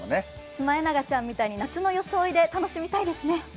シマエナガちゃんみたいに、夏の装いで楽しみたいですね。